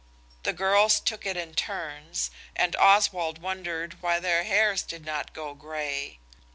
The girls took it in turns, and Oswald wonders why their hairs did not go grey.